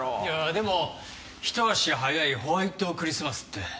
いやでも「ひと足早いホワイトクリスマス」って。